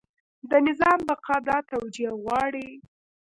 د نظام بقا دا توجیه غواړي.